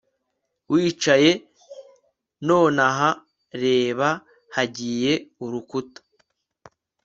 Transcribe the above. Wicaye nonaha reba hagiye urukuta